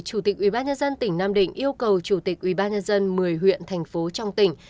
chủ tịch ubnd tỉnh nam định yêu cầu chủ tịch ubnd một mươi huyện thành phố trong tỉnh